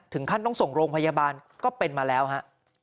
ท่านต้องส่งโรงพยาบาลก็เป็นมาแล้วฮะ